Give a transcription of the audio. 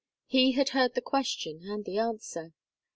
He had heard the question and the answer.